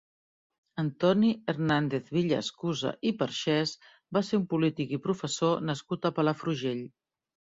Antoni Hernández-Villaescusa i Perxés va ser un polític i professor nascut a Palafrugell.